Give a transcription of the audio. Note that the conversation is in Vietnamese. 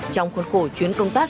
trong khuôn khổ chuyến công tác